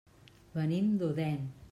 Venim d'Odèn.